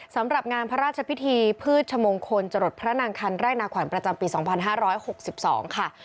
สำหรับงานพระราชพิธีพืชชมงคลจรดพระนางคันแรกนาขวัญประจำปีสองพันห้าร้อยหกสิบสองค่ะ